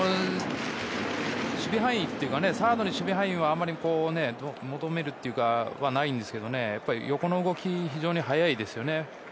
守備範囲というかサードに守備範囲はあまり求めるというかそういうのはないんですけど横の動きが非常に速いですね。